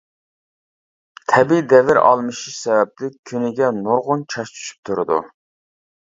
تەبىئىي دەۋر ئالمىشىش سەۋەبلىك كۈنىگە نۇرغۇن چاچ چۈشۈپ تۇرىدۇ.